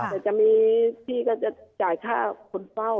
แต่จะมีพี่ก็จะจ่ายค่าคนเฝ้า